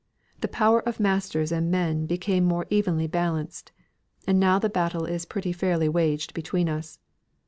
The power of masters and men became more evenly balanced; and now the battle is pretty fairly waged between us.